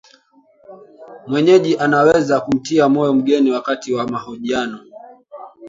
mwenyeji anaweza kumtia moyo mgeni wakati wa mahojiano